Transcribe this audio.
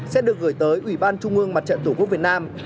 sẽ được gửi tới ủy ban trung ương mặt trận tổ quốc việt nam